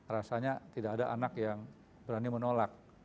rasanya tidak ada anak yang berani menolak